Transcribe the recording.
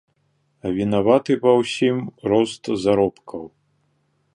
А вінаваты ва ўсім рост заробкаў.